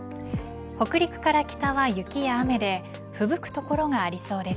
北陸から北は雪や雨でふぶく所がありそうです。